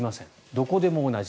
どこでも同じ。